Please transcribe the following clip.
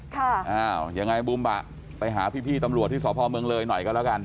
อ้าวยังไงบูมบะไปหาพี่พี่ตำรวจที่สพเมืองเลยหน่อยก็แล้วกัน